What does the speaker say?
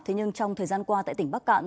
thế nhưng trong thời gian qua tại tỉnh bắc cạn